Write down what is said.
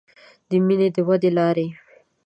د مینې د ودې لارې